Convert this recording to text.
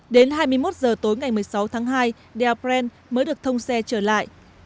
đến hai mươi một h tối ngày một mươi sáu tháng hai đèo pren mới được thông xe trở lại